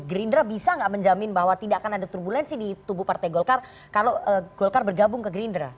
gerindra bisa nggak menjamin bahwa tidak akan ada turbulensi di tubuh partai golkar kalau golkar bergabung ke gerindra